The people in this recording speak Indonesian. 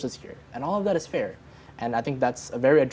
dan saya pikir itu adalah masalah yang sangat terhadap